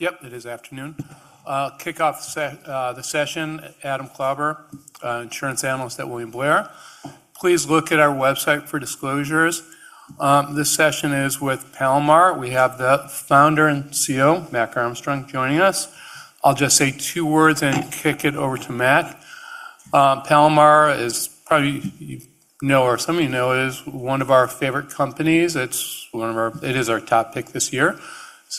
Yep, it is afternoon. I'll kick off the session, Adam Klauber, Insurance Analyst at William Blair. Please look at our website for disclosures. This session is with Palomar. We have the Founder and CEO, Mac Armstrong, joining us. I'll just say two words and kick it over to Mac. Palomar is probably, you know, or some of you know, is one of our favorite companies. It is our top pick this year.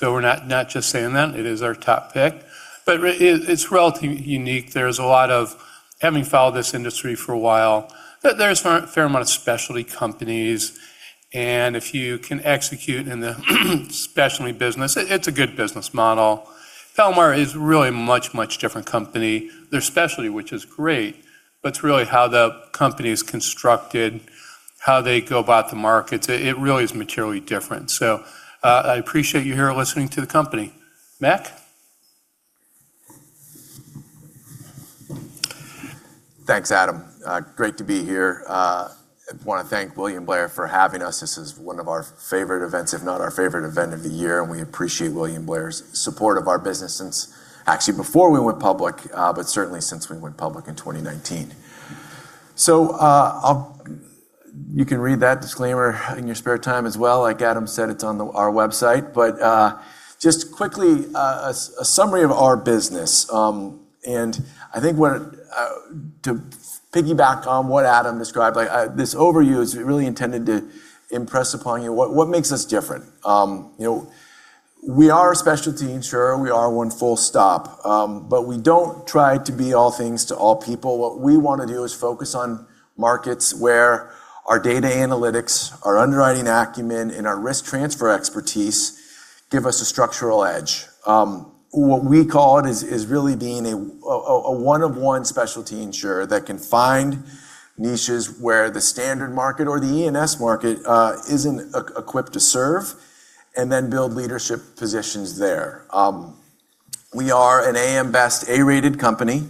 We're not just saying that. It is our top pick. It's relatively unique. There's a lot of, having followed this industry for a while, there's a fair amount of specialty companies, and if you can execute in the specialty business, it's a good business model. Palomar is really a much, much different company. They're a specialty, which is great, but it's really how the company is constructed, how they go about the markets. It really is materially different. I appreciate you here listening to the company. Mac? Thanks, Adam. Great to be here. I want to thank William Blair for having us. This is one of our favorite events, if not our favorite event of the year, and we appreciate William Blair's support of our business since actually before we went public, but certainly since we went public in 2019. You can read that disclaimer in your spare time as well. Like Adam said, it's on our website. Just quickly, a summary of our business. I think to piggyback on what Adam described, this overview is really intended to impress upon you what makes us different. We are a specialty insurer. We are one full stop. We don't try to be all things to all people. What we want to do is focus on markets where our data analytics, our underwriting acumen, and our risk transfer expertise give us a structural edge. What we call it is really being a one of one specialty insurer that can find niches where the standard market or the E&S market isn't equipped to serve and then build leadership positions there. We are an AM Best A-rated company,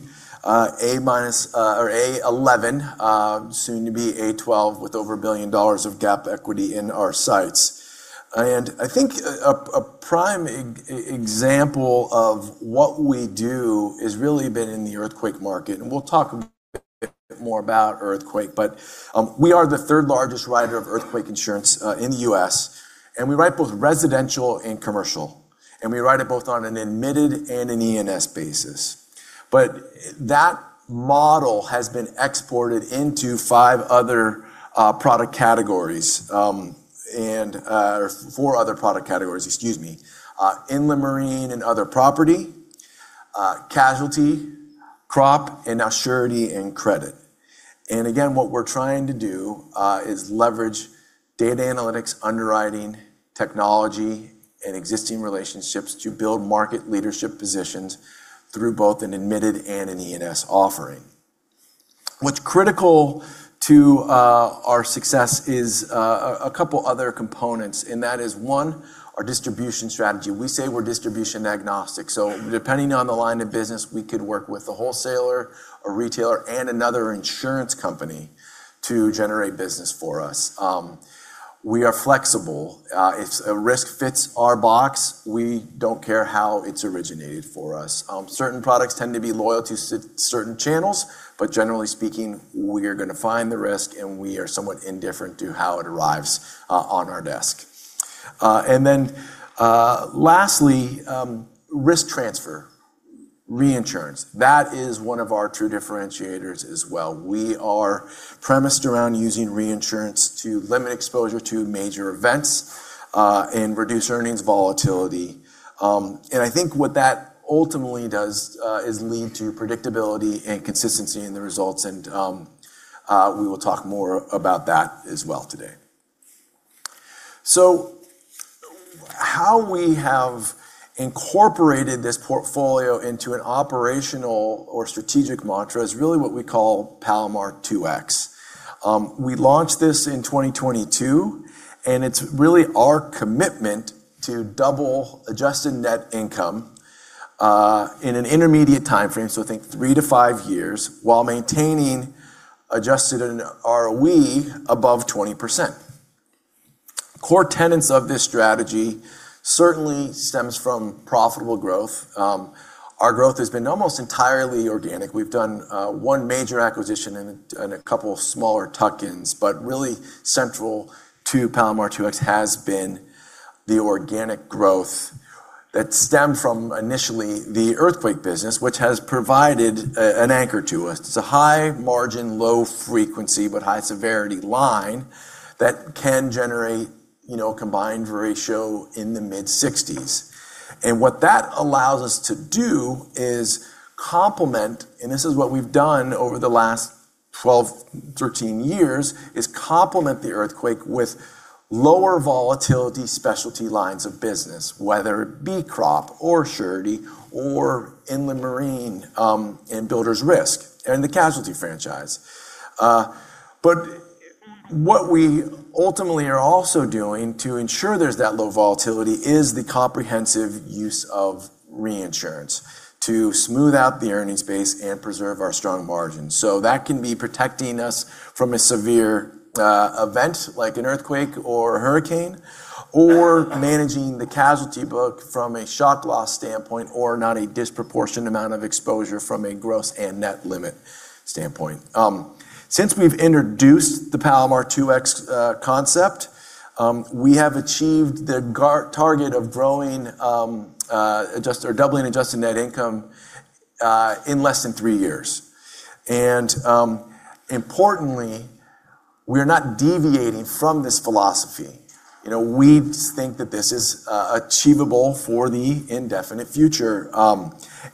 A- or A11, soon to be A12 with over $1 billion of GAAP equity in our sights. I think a prime example of what we do has really been in the earthquake market, and we'll talk a bit more about earthquake. We are the third largest writer of earthquake insurance in the U.S., and we write both residential and commercial, and we write it both on an admitted and an E&S basis. That model has been exported into five other product categories, or four other product categories, excuse me: in the marine and other property, casualty, crop, and now surety and credit. Again, what we're trying to do is leverage data analytics, underwriting, technology, and existing relationships to build market leadership positions through both an admitted and an E&S offering. What's critical to our success is a couple other components, and that is, one, our distribution strategy. We say we're distribution agnostic, depending on the line of business, we could work with a wholesaler, a retailer, and another insurance company to generate business for us. We are flexible. If a risk fits our box, we don't care how it's originated for us. Certain products tend to be loyal to certain channels, generally speaking, we are going to find the risk, and we are somewhat indifferent to how it arrives on our desk. Then lastly, risk transfer, reinsurance. That is one of our true differentiators as well. We are premised around using reinsurance to limit exposure to major events and reduce earnings volatility. I think what that ultimately does is lead to predictability and consistency in the results, and we will talk more about that as well today. How we have incorporated this portfolio into an operational or strategic mantra is really what we call Palomar 2X. We launched this in 2022, and it's really our commitment to double adjusted net income in an intermediate timeframe, so think three - five years, while maintaining adjusted ROE above 20%. Core tenets of this strategy certainly stems from profitable growth. Our growth has been almost entirely organic. We've done one major acquisition and a couple smaller tuck-ins. Really central to Palomar 2X has been the organic growth that stemmed from initially the earthquake business, which has provided an anchor to us. It's a high margin, low frequency, but high severity line that can generate a combined ratio in the mid-60s. What that allows us to do is complement, and this is what we've done over the last 12, 13 years, is complement the earthquake with lower volatility specialty lines of business, whether it be crop or surety or inland marine and builders risk and the casualty franchise. What we ultimately are also doing to ensure there's that low volatility is the comprehensive use of reinsurance to smooth out the earnings base and preserve our strong margins. That can be protecting us from a severe event like an earthquake or a hurricane, or managing the casualty book from a shock loss standpoint, or not a disproportionate amount of exposure from a gross and net limit standpoint. Since we've introduced the Palomar 2X concept, we have achieved the target of doubling adjusted net income in less than three years. Importantly, we are not deviating from this philosophy. We think that this is achievable for the indefinite future.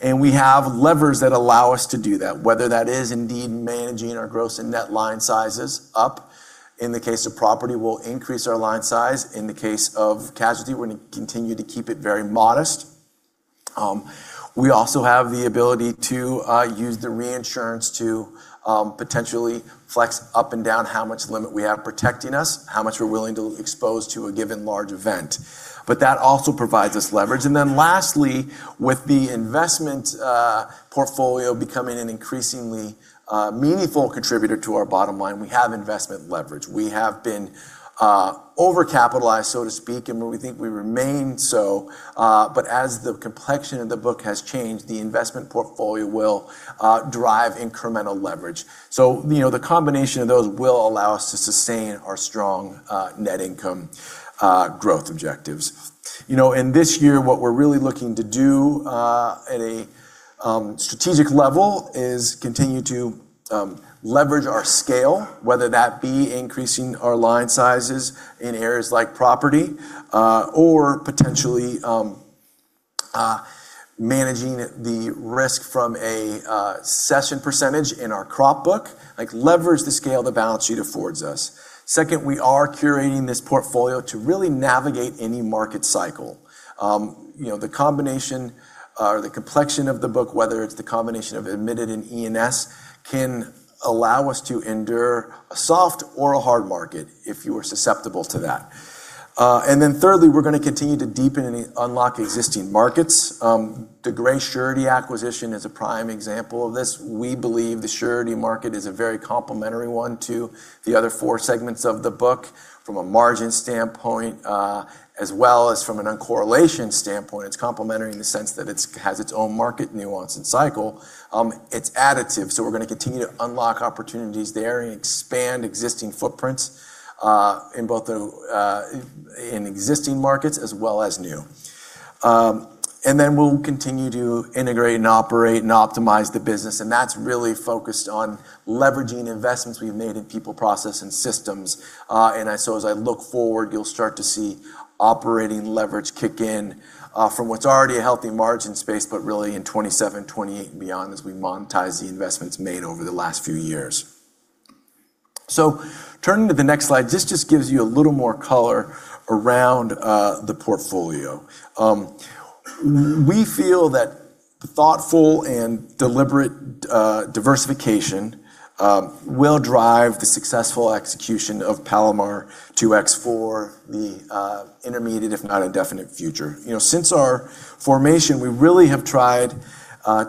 We have levers that allow us to do that, whether that is indeed managing our gross and net line sizes up. In the case of property, we'll increase our line size. In the case of casualty, we're going to continue to keep it very modest. We also have the ability to use the reinsurance to potentially flex up and down how much limit we have protecting us, how much we're willing to expose to a given large event. That also provides us leverage. Lastly, with the investment portfolio becoming an increasingly meaningful contributor to our bottom line, we have investment leverage. We have been over-capitalized, so to speak. We think we remain so. As the complexion of the book has changed, the investment portfolio will drive incremental leverage. The combination of those will allow us to sustain our strong net income growth objectives. In this year, what we're really looking to do at a strategic level is continue to leverage our scale, whether that be increasing our line sizes in areas like property or potentially managing the risk from a session percentage in our crop book, like leverage the scale the balance sheet affords us. Second, we are curating this portfolio to really navigate any market cycle. The combination or the complexion of the book, whether it's the combination of admitted and E&S, can allow us to endure a soft or a hard market if you are susceptible to that. Thirdly, we're going to continue to deepen and unlock existing markets. The Gray Surety acquisition is a prime example of this. We believe the surety market is a very complementary one to the other four segments of the book from a margin standpoint, as well as from an uncorrelation standpoint. It's complementary in the sense that it has its own market nuance and cycle. It's additive, so we're going to continue to unlock opportunities there and expand existing footprints in existing markets as well as new. We'll continue to integrate and operate and optimize the business, and that's really focused on leveraging investments we've made in people, process, and systems. As I look forward, you'll start to see operating leverage kick in from what's already a healthy margin space, but really in 2027, 2028, and beyond as we monetize the investments made over the last few years. Turning to the next slide, this just gives you a little more color around the portfolio. We feel that thoughtful and deliberate diversification will drive the successful execution of Palomar 2X for the intermediate, if not indefinite, future. Since our formation, we really have tried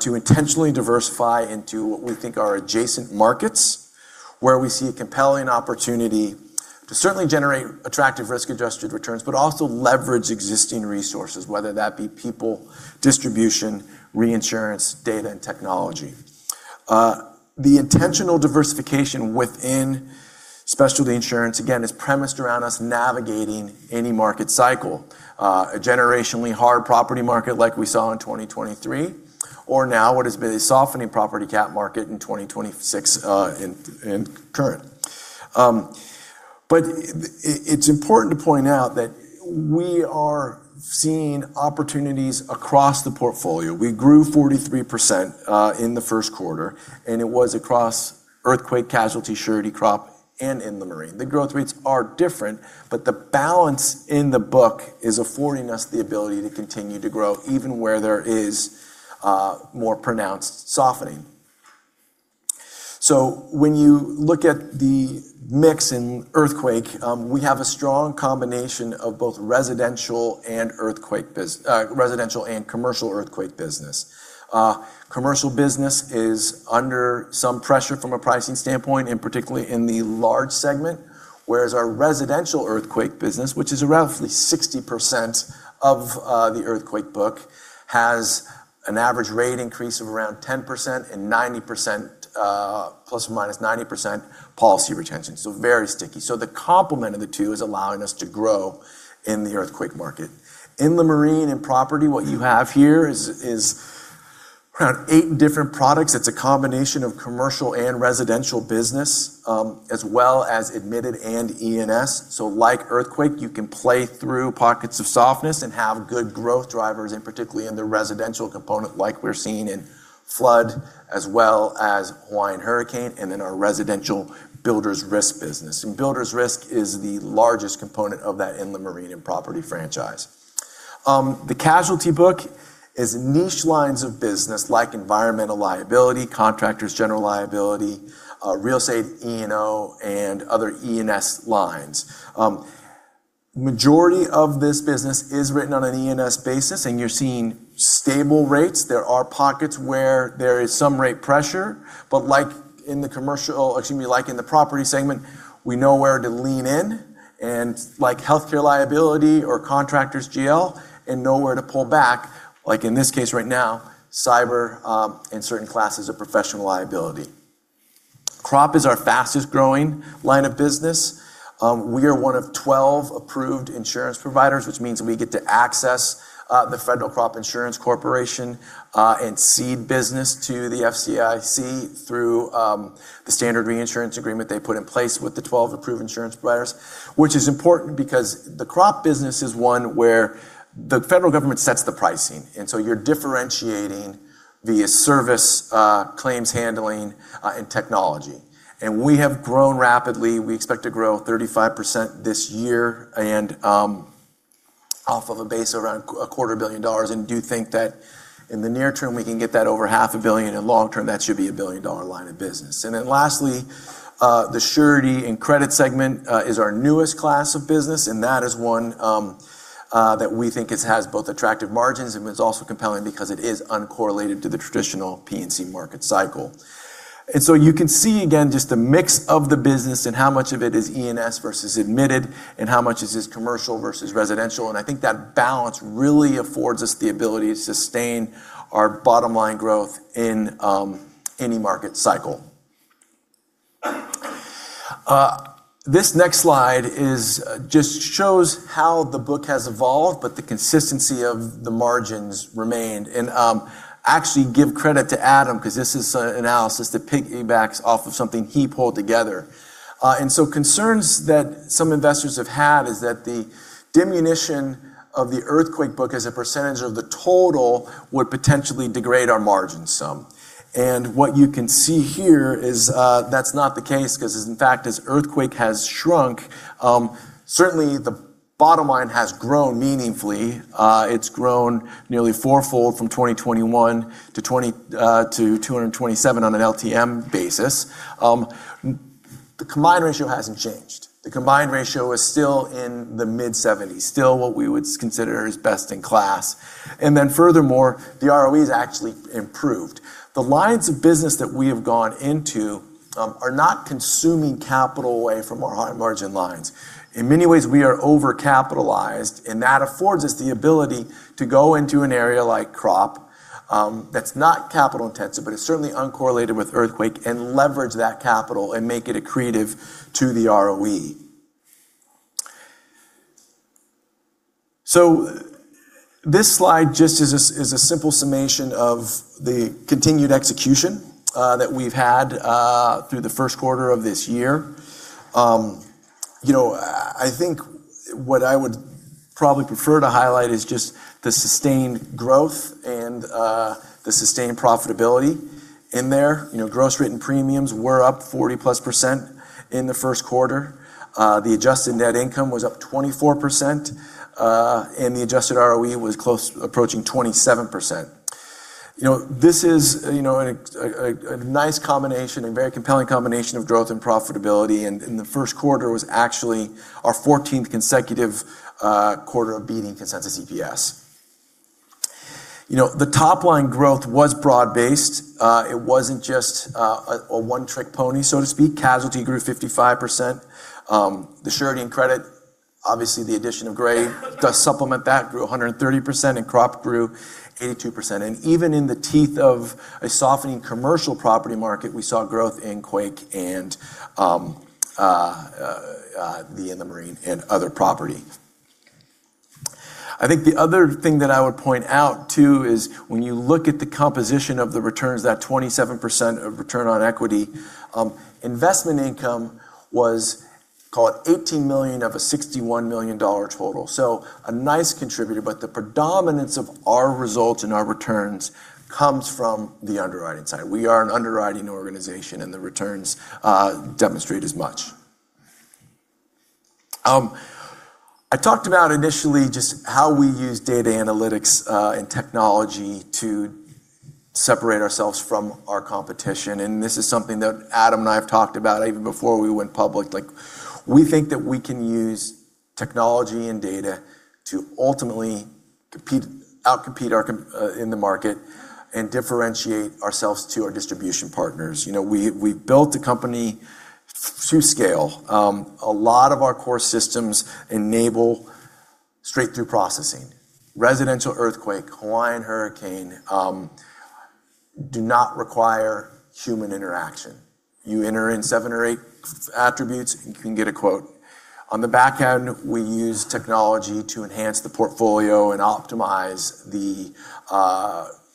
to intentionally diversify into what we think are adjacent markets, where we see a compelling opportunity to certainly generate attractive risk-adjusted returns, but also leverage existing resources, whether that be people, distribution, reinsurance, data, and technology. The intentional diversification within specialty insurance, again, is premised around us navigating any market cycle. A generationally hard property market like we saw in 2023, or now what has been a softening property cat market in 2026 in current. It's important to point out that we are seeing opportunities across the portfolio. We grew 43% in the first quarter, and it was across earthquake casualty, surety crop, and in the marine. The growth rates are different, but the balance in the book is affording us the ability to continue to grow even where there is more pronounced softening. When you look at the mix in earthquake, we have a strong combination of both residential and commercial earthquake business. Commercial business is under some pressure from a pricing standpoint, and particularly in the large segment, whereas our residential earthquake business, which is roughly 60% of the earthquake book, has an average rate increase of around 10% and ±90% policy retention. Very sticky. The complement of the two is allowing us to grow in the earthquake market. In the marine and property, what you have here is around eight different products. It's a combination of commercial and residential business as well as admitted and E&S. Like earthquake, you can play through pockets of softness and have good growth drivers, and particularly in the residential component like we're seeing in flood as well as Hawaiian hurricane, and then our residential builders risk business. Builders risk is the largest component of that in the marine and property franchise. The casualty book is niche lines of business like environmental liability, contractors, general liability, real estate E&O, and other E&S lines. Majority of this business is written on an E&S basis, you're seeing stable rates. There are pockets where there is some rate pressure, like in the property segment, we know where to lean in, and like healthcare liability or contractors GL, and know where to pull back, like in this case right now, cyber, and certain classes of professional liability. Crop is our fastest growing line of business. We are one of 12 approved insurance providers, which means we get to access the Federal Crop Insurance Corporation and cede business to the FCIC through the standard reinsurance agreement they put in place with the 12 approved insurance providers. Which is important because the crop business is one where the federal government sets the pricing. You're differentiating via service claims handling and technology. We have grown rapidly. We expect to grow 35% this year off of a base around a quarter billion dollars and do think that in the near term, we can get that over half a billion. In long term, that should be a billion-dollar line of business. Lastly, the surety and credit segment is our newest class of business, and that is one that we think has both attractive margins and is also compelling because it is uncorrelated to the traditional P&C market cycle. You can see again just the mix of the business and how much of it is E&S versus admitted and how much is this commercial versus residential. I think that balance really affords us the ability to sustain our bottom line growth in any market cycle. This next slide just shows how the book has evolved, but the consistency of the margins remained. Actually give credit to Adam because this is an analysis that piggybacks off of something he pulled together. Concerns that some investors have had is that the diminution of the earthquake book as a percentage of the total would potentially degrade our margins some. What you can see here is that's not the case because, in fact, as earthquake has shrunk, certainly the bottom line has grown meaningfully. It's grown nearly four-fold from 2021 -2227 on an LTM basis. The combined ratio hasn't changed. The combined ratio is still in the mid-70s, still what we would consider is best in class. Furthermore, the ROEs actually improved. The lines of business that we have gone into are not consuming capital away from our high margin lines. In many ways, we are over-capitalized. That affords us the ability to go into an area like crop that's not capital intensive, but is certainly uncorrelated with earthquake and leverage that capital and make it accretive to the ROE. This slide just is a simple summation of the continued execution that we've had through the first quarter of this year. I think what I would probably prefer to highlight is just the sustained growth and the sustained profitability in there. Gross written premiums were up 40-plus% in the first quarter. The adjusted net income was up 24%, and the adjusted ROE was approaching 27%. This is a nice combination, a very compelling combination of growth and profitability, and the Q1 was actually our 14th consecutive quarter of beating consensus EPS. The top line growth was broad-based. It wasn't just a one-trick pony, so to speak. Casualty grew 55%. The surety and credit, obviously the addition of Gray to supplement that grew 130%. Crop grew 82%. Even in the teeth of a softening commercial property market, we saw growth in quake and the marine and other property. I think the other thing that I would point out too is when you look at the composition of the returns, that 27% of return on equity, investment income was call it $18 million of a $61 million total. A nice contributor, but the predominance of our results and our returns comes from the underwriting side. We are an underwriting organization, and the returns demonstrate as much. I talked about initially just how we use data analytics and technology to separate ourselves from our competition. This is something that Adam and I have talked about even before we went public. We think that we can use technology and data to ultimately out-compete in the market and differentiate ourselves to our distribution partners. We've built a company to scale. A lot of our core systems enable straight-through processing. Residential earthquake, Hawaiian hurricane do not require human interaction. You enter in seven or eight attributes, you can get a quote. On the back end, we use technology to enhance the portfolio and optimize the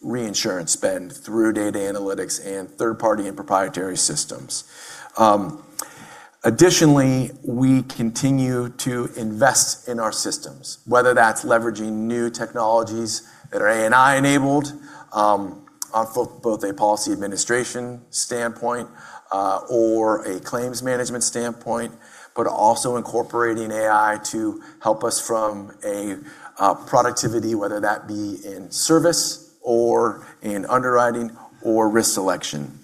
reinsurance spend through data analytics and third-party and proprietary systems. Additionally, we continue to invest in our systems, whether that's leveraging new technologies that are AI enabled on both a policy administration standpoint or a claims management standpoint, but also incorporating AI to help us from a productivity, whether that be in service or in underwriting or risk selection.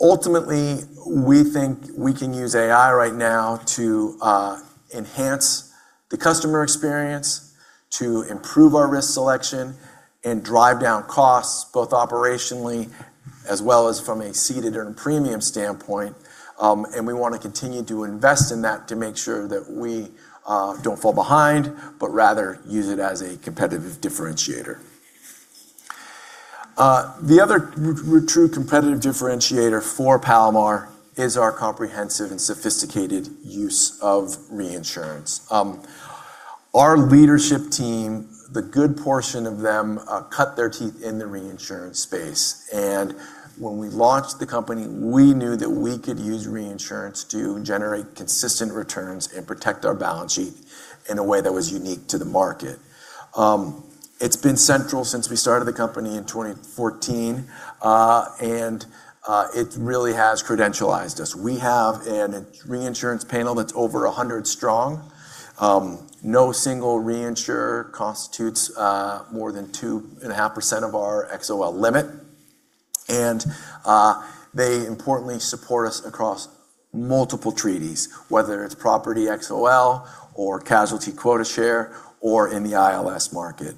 Ultimately, we think we can use AI right now to enhance the customer experience, to improve our risk selection, and drive down costs both operationally as well as from a ceded and premium standpoint. We want to continue to invest in that to make sure that we don't fall behind, but rather use it as a competitive differentiator. The other true competitive differentiator for Palomar is our comprehensive and sophisticated use of reinsurance. Our leadership team, the good portion of them, cut their teeth in the reinsurance space. When we launched the company, we knew that we could use reinsurance to generate consistent returns and protect our balance sheet in a way that was unique to the market. It's been central since we started the company in 2014, and it really has credentialized us. We have a reinsurance panel that's over 100 strong. No single reinsurer constitutes more than 2.5% of our XOL limit. They importantly support us across multiple treaties, whether it's property XOL or casualty quota share, or in the ILS market.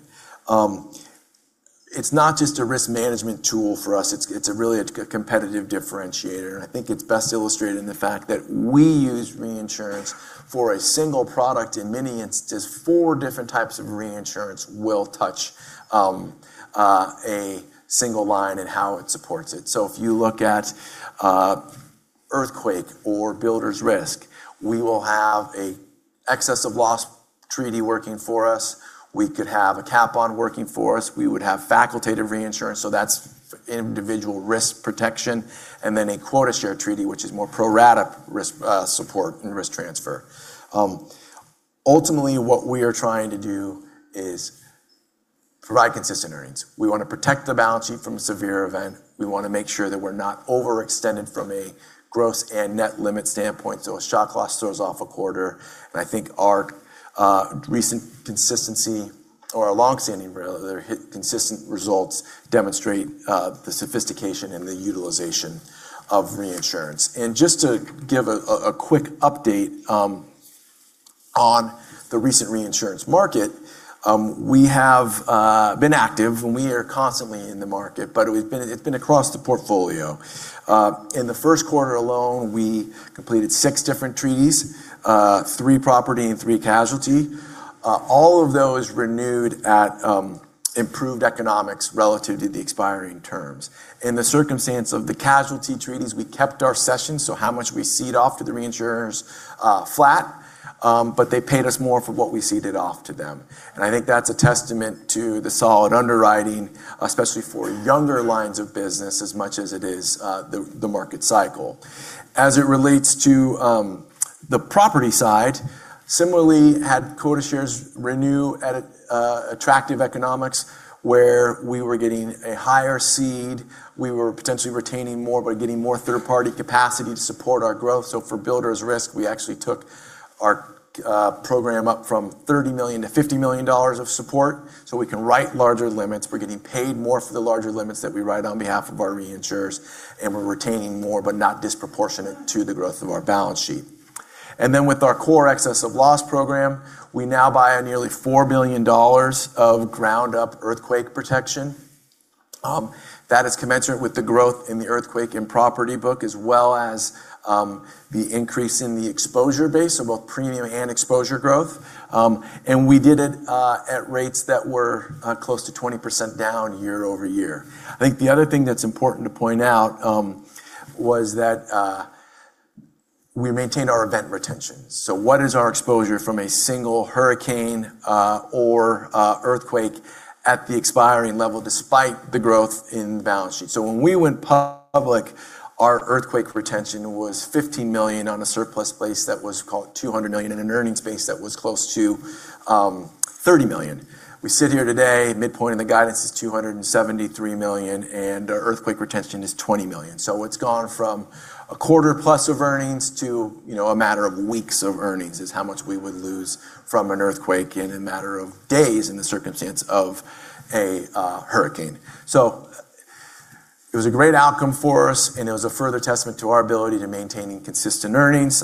It's not just a risk management tool for us. It's really a competitive differentiator, and I think it's best illustrated in the fact that we use reinsurance for a single product. In many instances, four different types of reinsurance will touch a single line in how it supports it. If you look at earthquake or builder's risk, we will have an excess of loss treaty working for us. We could have a cap on working for us. We would have facultative reinsurance, so that's individual risk protection, and then a quota share treaty, which is more pro rata support and risk transfer. Ultimately, what we are trying to do is provide consistent earnings. We want to protect the balance sheet from a severe event. We want to make sure that we're not overextended from a gross and net limit standpoint, so a shock loss throws off a quarter. I think our recent consistency or our longstanding consistent results demonstrate the sophistication and the utilization of reinsurance. Just to give a quick update on the recent reinsurance market, we have been active, and we are constantly in the market, but it's been across the portfolio. In the Q1 alone, we completed six different treaties, three property and three casualty. All of those renewed at improved economics relative to the expiring terms. In the circumstance of the casualty treaties, we kept our sessions, so how much we cede off to the reinsurers flat, but they paid us more for what we ceded off to them. I think that's a testament to the solid underwriting, especially for younger lines of business, as much as it is the market cycle. As it relates to the property side, similarly had quota shares renew at attractive economics where we were getting a higher cede. We were potentially retaining more by getting more third-party capacity to support our growth. For builders risk, we actually took our program up from $30 million to $50 million of support so we can write larger limits. We're getting paid more for the larger limits that we write on behalf of our reinsurers, we're retaining more, but not disproportionate to the growth of our balance sheet. With our core excess of loss program, we now buy nearly $4 billion of ground-up earthquake protection. That is commensurate with the growth in the earthquake and property book, as well as the increase in the exposure base, so both premium and exposure growth. We did it at rates that were close to 20% down year-over-year. I think the other thing that's important to point out was that we maintained our event retention. What is our exposure from a single hurricane or earthquake at the expiring level, despite the growth in the balance sheet? When we went public, our earthquake retention was $15 million on a surplus base that was $200 million in an earnings base that was close to $30 million. We sit here today, midpoint of the guidance is $273 million, and our earthquake retention is $20 million. It's gone from a quarter plus of earnings to a matter of weeks of earnings is how much we would lose from an earthquake in a matter of days in the circumstance of a hurricane. It was a great outcome for us, it was a further testament to our ability to maintaining consistent earnings,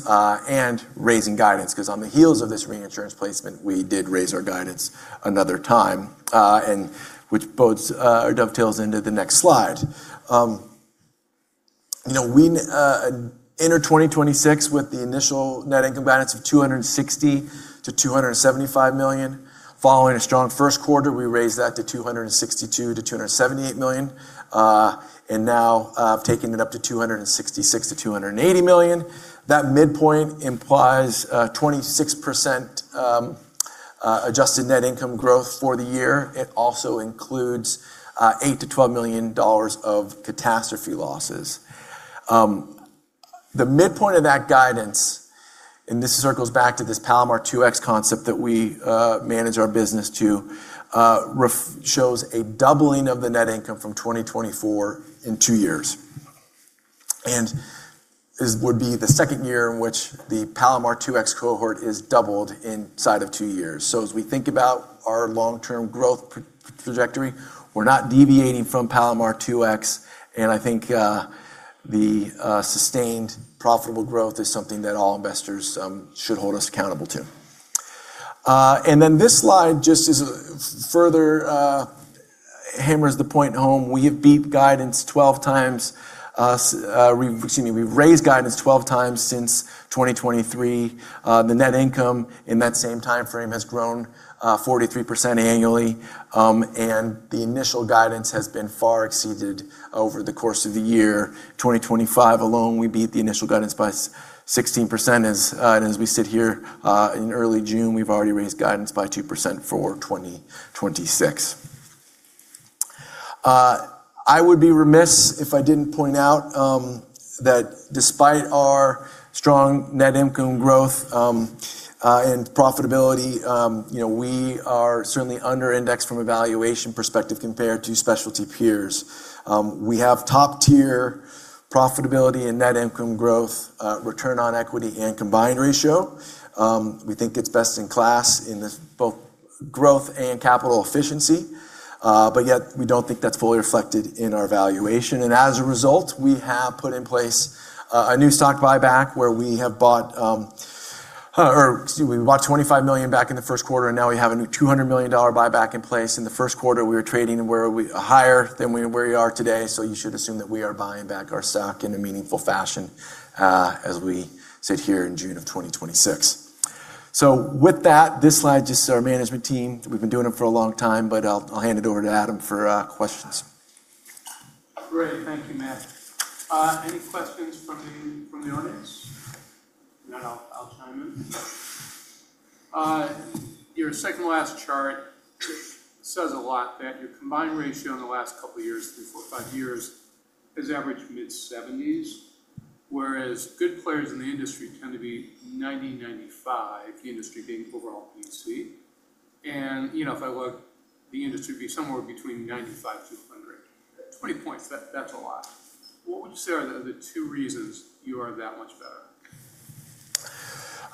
raising guidance, on the heels of this reinsurance placement, we did raise our guidance another time, which dovetails into the next slide. We enter 2026 with the initial net income guidance of $260 million-$275 million. Following a strong Q1, we raised that to $262 million-$278 million, now taking it up to $266 million-$280 million. That midpoint implies a 26% adjusted net income growth for the year. It also includes $8 - $12 million of catastrophe losses. The midpoint of that guidance, this circles back to this Palomar 2X concept that we manage our business to, shows a doubling of the net income from 2024 in two years. This would be the second year in which the Palomar 2X cohort is doubled inside of two years. As we think about our long-term growth trajectory, we're not deviating from Palomar 2X, and I think the sustained profitable growth is something that all investors should hold us accountable to. This slide just further hammers the point home. We have beat guidance 12x. Excuse me, we've raised guidance 12x since 2023. The net income in that same timeframe has grown 43% annually. The initial guidance has been far exceeded over the course of the year. 2025 alone, we beat the initial guidance by 16%. As we sit here in early June, we've already raised guidance by two percent for 2026. I would be remiss if I didn't point out that despite our strong net income growth and profitability, we are certainly under-indexed from a valuation perspective compared to specialty peers. We have top-tier profitability and net income growth, return on equity, and combined ratio. We think it's best in class in both growth and capital efficiency. Yet, we don't think that's fully reflected in our valuation. As a result, we have put in place a new stock buyback where we have bought, excuse me, we bought $25 million back in the Q1, and now we have a new $200 million buyback in place. In the Q1, we were trading higher than where we are today, so you should assume that we are buying back our stock in a meaningful fashion as we sit here in June of 2026. With that, this slide just is our management team. We've been doing it for a long time, but I'll hand it over to Adam for questions. Great. Thank you, Mac. Any questions from the audience? If not, I'll chime in. Your second-to-last chart says a lot that your combined ratio in the last couple years, three, four, five years, has averaged mid-70s, whereas good players in the industry tend to be 90, 95, the industry being overall P&C. If I look, the industry would be somewhere between 95%-100%. 20 points, that's a lot. What would you say are the two reasons you are that much better?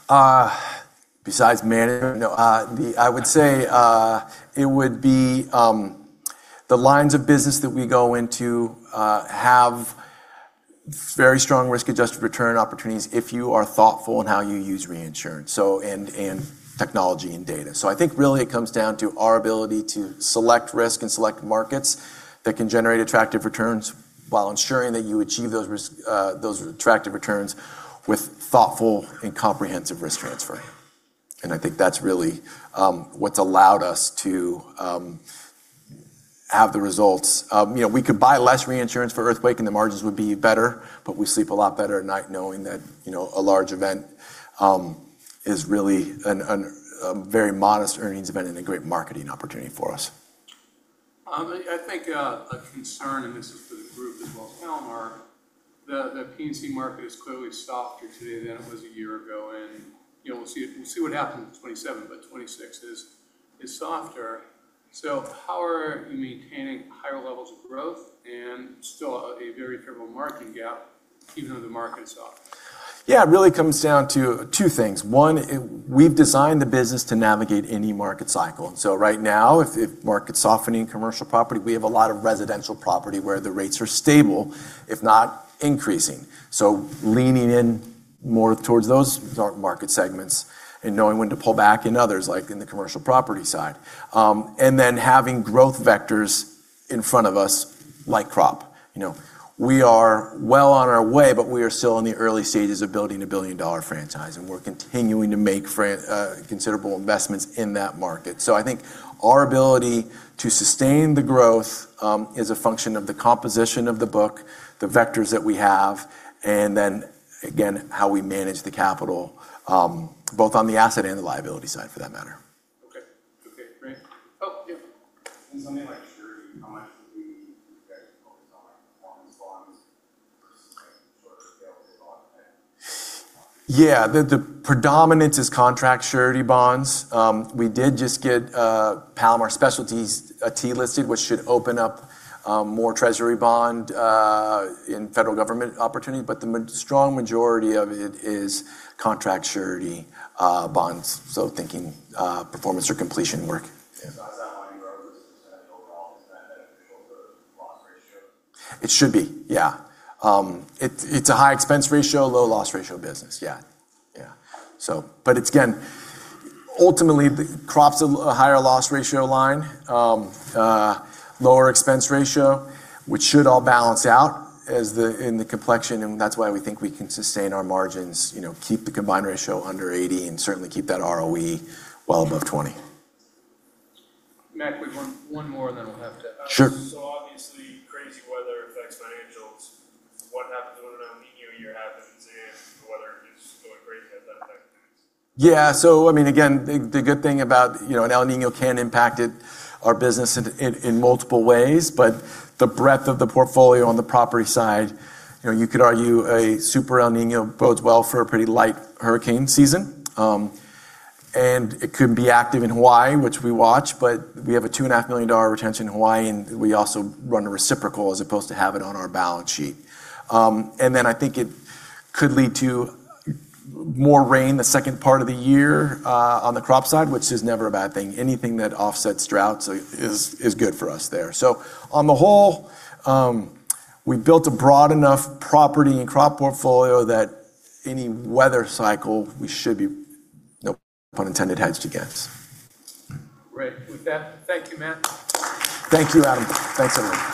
Besides management? No. I would say it would be the lines of business that we go into have very strong risk-adjusted return opportunities if you are thoughtful in how you use reinsurance and technology and data. I think really it comes down to our ability to select risk and select markets that can generate attractive returns while ensuring that you achieve those attractive returns with thoughtful and comprehensive risk transfer. I think that's really what's allowed us to have the results. We could buy less reinsurance for earthquake and the margins would be better, but we sleep a lot better at night knowing that a large event is really a very modest earnings event and a great marketing opportunity for us. I think a concern, and this is for the group as well as Palomar, the P&C market is clearly softer today than it was one year ago. We'll see what happens with 2027, but 2026 is softer. How are you maintaining higher levels of growth and still a very favorable margin gap even though the market is soft? Yeah. It really comes down to two things. One, we've designed the business to navigate any market cycle. Right now, if the market's softening in commercial property, we have a lot of residential property where the rates are stable, if not increasing. Leaning in more towards those market segments and knowing when to pull back in others, like in the commercial property side. Having growth vectors in front of us like crop. We are well on our way, but we are still in the early stages of building a billion-dollar franchise, and we're continuing to make considerable investments in that market. I think our ability to sustain the growth is a function of the composition of the book, the vectors that we have, and then again, how we manage the capital both on the asset and the liability side, for that matter. Okay. Great. Yeah. In something like surety, how much do you guys focus on performance bonds versus sort of scalable bonds? The predominance is contract surety bonds. We did just get Palomar Specialty T-listed, which should open up more treasury bond and federal government opportunity. The strong majority of it is contract surety bonds, so thinking performance or completion work. Yeah. as that line grows, kind of overall, is that beneficial to loss ratio? It should be, yeah. It's a high expense ratio, low loss ratio business. Yeah. Again, ultimately, crop's a higher loss ratio line, lower expense ratio, which should all balance out in the complexion, and that's why we think we can sustain our margins, keep the combined ratio under 80, and certainly keep that ROE well above 20. Mac, we have one more, and then we'll have to- Sure. obviously, crazy weather affects financials. What happens when an El Niño year happens and the weather is going great? Does that affect things? Yeah. again, the good thing about an El Niño can impact our business in multiple ways, but the breadth of the portfolio on the property side, you could argue a super El Niño bodes well for a pretty light hurricane season. it could be active in Hawaii, which we watch, but we have a $2.5 million retention in Hawaii, and we also run a reciprocal as opposed to have it on our balance sheet. I think it could lead to more rain the second part of the year on the crop side, which is never a bad thing. Anything that offsets droughts is good for us there. on the whole, we've built a broad enough property and crop portfolio that any weather cycle, we should be, no pun intended, hedged against. Great. With that, thank you, Mac. Thank you, Adam. Thanks, everyone.